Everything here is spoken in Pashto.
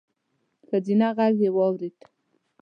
ښځينه غږ يې واورېد: